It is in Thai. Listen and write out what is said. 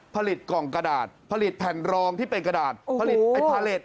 ผลิตกล่องกระดาษผลิตแผ่นรองที่เป็นกระดาษผลิตไอ้พาเล็ต